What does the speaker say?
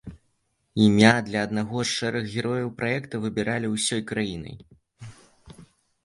Імя для аднаго з шэрых герояў праекта выбіралі ўсёй краінай.